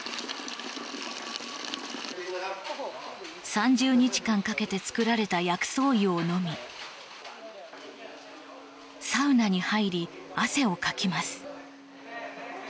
３０日間かけて作られた薬草湯を飲みサウナに入り汗をかきます。